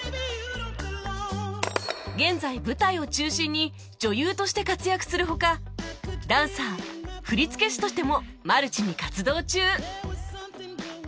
現在舞台を中心に女優として活躍する他ダンサー振付師としてもマルチに活動中